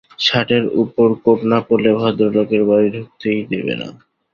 শার্টের উপর কোট না পরলে, ভদ্রলোকের বাড়ী ঢুকতেই দেবে না।